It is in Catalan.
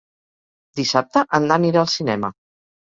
Dissabte en Dan irà al cinema.